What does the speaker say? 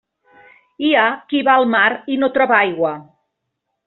Hi ha qui va al mar i no troba aigua.